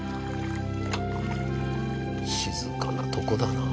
静かなとこだな。